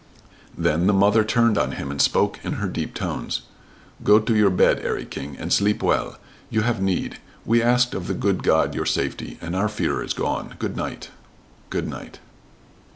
Then the mother turned on him and spoke in her deep tones: "Go to your bed, 'Arry King, and sleep well. You have need. We asked of the good God your safety, and our fear is gone. Good night." "Good night."